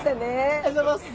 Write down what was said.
ありがとうございます！